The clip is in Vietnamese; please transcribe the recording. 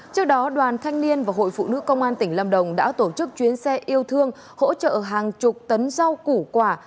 trước đó đoàn thanh niên và hội phụ nữ công an tỉnh lâm đồng đã tổ chức chuyến xe yêu thương hỗ trợ hàng chục tấn rau củ quả